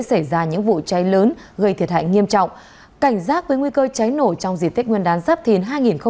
cảnh giác với nguy cơ cháy nổ trong dịp tết nguyên đán giáp thìn hai nghìn hai mươi bốn